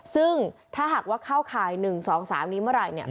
ซึ่งถ้าหากว่าเข้าข่าย๑๒๓นี้เมื่อไหร่เนี่ย